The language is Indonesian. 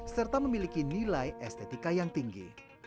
serta memiliki nilai estetika yang tinggi